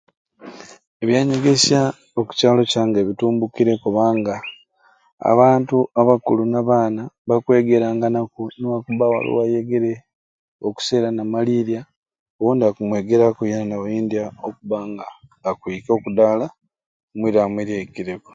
Ebyanyegesya oku kyalo kyange bitumbukire kubanga abantu abakulu n'abaana bakwegeranganaku ne wakuba waliwo ayegere okusai era namaliirya owondi akumwegeraku yenna nayendya okuba nga akwika oku daala omwira wamei lyaikireku.